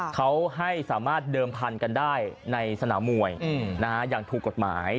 เขาให้สามารถเดิมพันธุ์กันได้ในสนามมวยอย่างถูกกฎหมาย